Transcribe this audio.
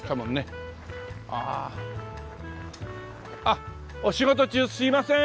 あっお仕事中すみません！